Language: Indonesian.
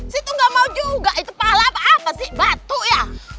si itu ga mau juga itu pala apa apa si batu ya